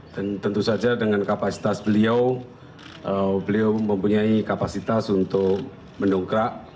dan tentu saja dengan kapasitas beliau beliau mempunyai kapasitas untuk mendongkrak